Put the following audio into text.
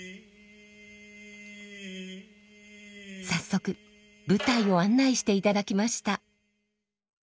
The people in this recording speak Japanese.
早速舞台を案内していただきました。